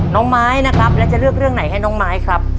น้องไม้นะครับแล้วจะเลือกเรื่องไหนให้น้องไม้ครับ